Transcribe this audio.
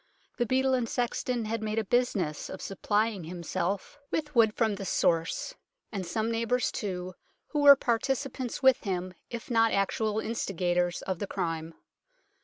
The beadle and sexton had made a business of supplying himself HEAD OF THE DUKE OF SUFFOLK 17 with wood from this source, and some neighbours, too, who were participants with him, if not actual instigators of the crime.